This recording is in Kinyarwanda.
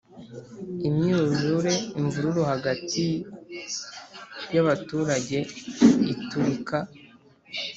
imyuzure imvururu hagati y abaturage iturika